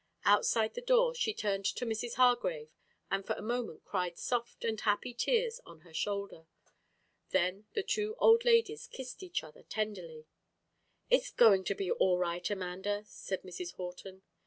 Outside the door she turned to Mrs. Hargrave and for a moment cried soft and happy tears on her shoulder. Then the two old ladies kissed each other tenderly. "It is going to be all right, Amanda," said Mrs. Horton.